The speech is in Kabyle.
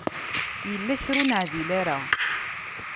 Yella kra ur neɛdil ara.